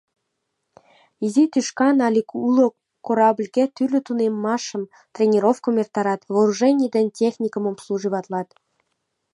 Изи тӱшкан але уло корабльге тӱрлӧ тунеммашым, тренировкым эртарат, вооружений ден техникым обслуживатлат.